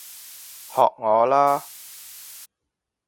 學我啦